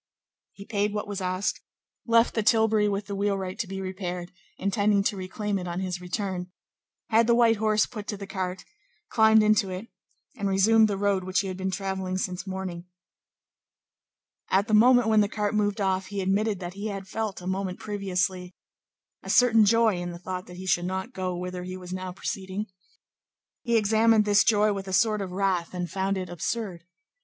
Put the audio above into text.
He paid what was asked, left the tilbury with the wheelwright to be repaired, intending to reclaim it on his return, had the white horse put to the cart, climbed into it, and resumed the road which he had been travelling since morning. At the moment when the cart moved off, he admitted that he had felt, a moment previously, a certain joy in the thought that he should not go whither he was now proceeding. He examined this joy with a sort of wrath, and found it absurd.